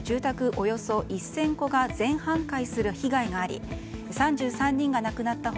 およそ１０００戸が全半壊する被害があり３３人が亡くなった他